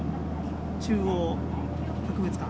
中央博物館。